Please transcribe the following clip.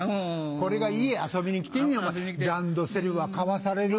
これが家遊びに来てみお前ランドセルは買わされるわ。